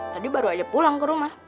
tadi baru aja pulang ke rumah